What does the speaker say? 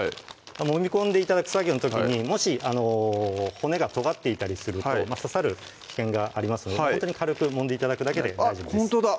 もみ込んで頂く作業の時にもし骨がとがっていたりすると刺さる危険がありますのでほんとに軽くもんで頂くだけで大丈夫です